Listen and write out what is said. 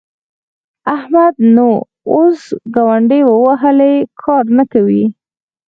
احمد نو اوس ګونډې ووهلې؛ کار نه کوي.